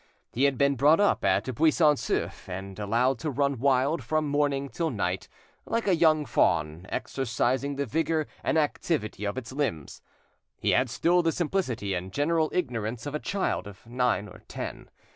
He had been brought up at Buisson Souef, and allowed to run wild from morning till night, like a young fawn, exercising the vigour and activity of its limbs. He had still the simplicity and general ignorance of a child of nine or ten.